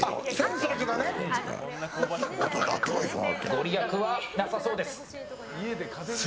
ご利益はなさそうです。